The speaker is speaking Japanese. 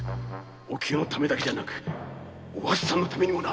おきよだけじゃなくお初さんのためにもな！